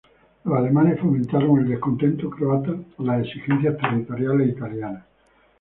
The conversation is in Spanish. Los alemanes fomentaron el descontento croata por las exigencias territoriales italianas.